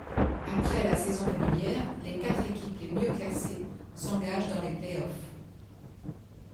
Après la saison régulière, les quatre équipes les mieux classées s'engagent dans les play-offs.